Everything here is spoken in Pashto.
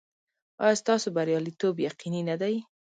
ایا ستاسو بریالیتوب یقیني نه دی؟